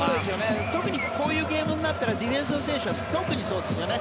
特にこういうゲームになったらディフェンスの選手は特にそうですよね。